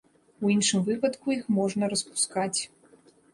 У іншым выпадку іх можна распускаць.